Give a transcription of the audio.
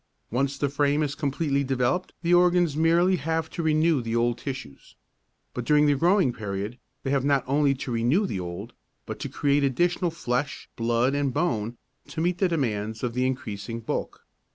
Once the frame is completely developed the organs merely have to renew the old tissues. But during the growing period they have not only to renew the old but to create additional flesh, blood and bone to meet the demands of the increasing bulk.